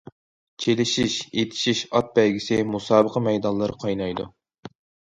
چېلىشىش، ئېتىشىش، ئات بەيگىسى... مۇسابىقە مەيدانلىرى قاينايدۇ.